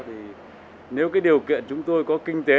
thì nếu cái điều kiện chúng tôi có kinh tế